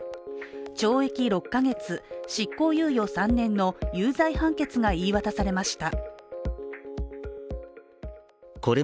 懲役６カ月、執行猶予３年の有罪判決が言い渡されました。